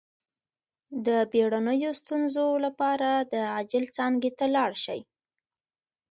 د بیړنیو ستونزو لپاره د عاجل څانګې ته لاړ شئ